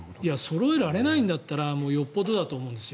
そろえられないんだったらよっぽどだと思うんです。